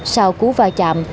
sau cú va chạm